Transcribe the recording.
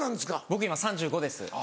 僕今３５です。